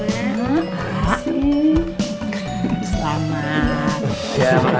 keluarga pria ada di sebelah pengantin perempuan